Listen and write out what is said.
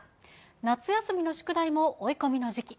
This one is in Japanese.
夏休みの宿題も追い込みの時期。